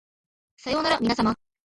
さようならみなさま